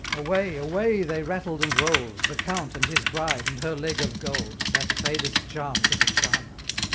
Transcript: Away! away! they rattled and roll'd, The Count, and his Bride, and her Leg of Gold That faded charm to the charmer!